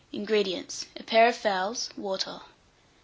INGREDIENTS. A pair of fowls; water.